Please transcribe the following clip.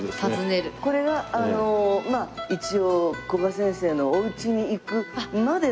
これがあのまあ一応古賀先生のお家に行くまでの。